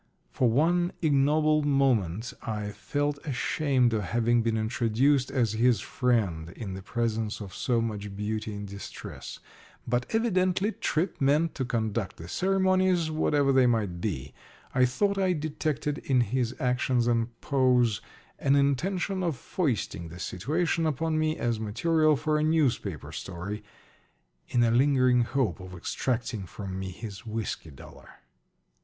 For one ignoble moment I felt ashamed of having been introduced as his friend in the presence of so much beauty in distress. But evidently Tripp meant to conduct the ceremonies, whatever they might be. I thought I detected in his actions and pose an intention of foisting the situation upon me as material for a newspaper story, in a lingering hope of extracting from me his whiskey dollar.